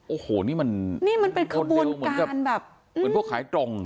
โอ้โหนี่มันคำวงการเหมือนพวกขายจง